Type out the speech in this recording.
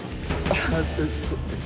ああそうです。